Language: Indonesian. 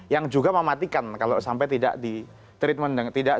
yang juga mematikan kalau sampai tidak di treatment